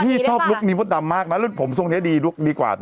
พี่ชอบลุคนี้มดดำมากนะรุ่นผมทรงนี้ดีกว่า